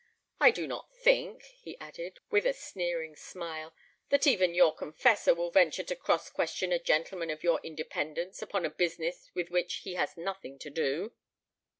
I do not think," he added, with a sneering smile, "that even your confessor will venture to cross question a gentleman of your independence upon a business with which he has nothing to do."